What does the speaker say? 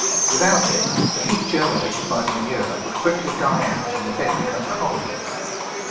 Without it the heat germinated by the manure would quickly die out and the bed become cold.